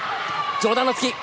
上段の突き！